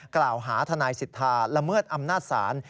กล่าวหาทนายสิทธาละเมิดอำนาจศาล